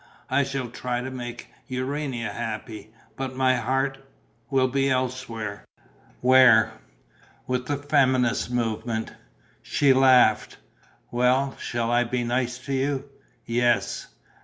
I shall try to make Urania happy. But my heart ... will be elsewhere." "Where?" "With the feminist movement." She laughed: "Well, shall I be nice to you?" "Yes."